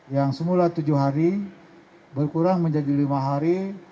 yang semula tujuh hari berkurang menjadi lima hari